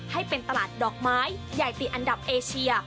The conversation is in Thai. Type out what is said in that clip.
ให้เป็นตลาดดอกไม้ใหญ่ติดอันดับเอเชีย